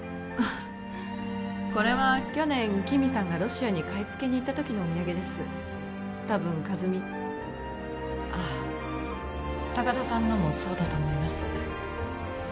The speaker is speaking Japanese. ああこれは去年木見さんがロシアに買い付けに行った時のお土産ですたぶん和美あっ高田さんのもそうだと思います